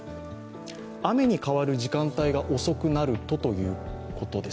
雨に変わる時間帯が遅くなると、ということです。